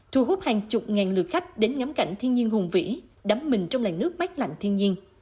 thu hút hàng chục ngàn lượt khách đến ngắm cảnh thiên nhiên hùng vĩ đắm mình trong làn nước mát lạnh thiên nhiên